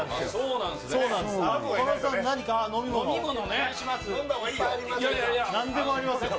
なんでもありますよ。